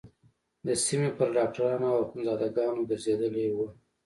د سيمې پر ډاکترانو او اخوندزاده گانو گرځېدلې وه.